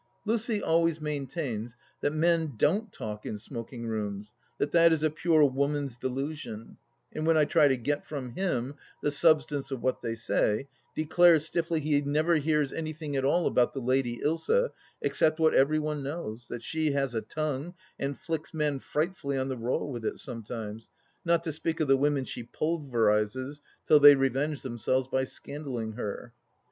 Lucy always maintains that men don't talk in smoking rooms, that that is a pure woman's delusion; and when I try to get from him the substance of what they say, declares stiffly he never hears anything at all about the Lady Ilsa except what every one knows, that she has a tongue and flicks men frightfully on the raw with it sometimes, not to speak of the women she pulverizes till they revenge themselves by scandalizing her.